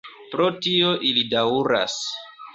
Pro tio ili daŭras.